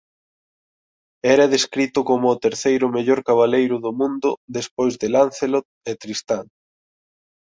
Era descrito como o terceiro mellor cabaleiro do mundo despois de Lancelot e Tristán.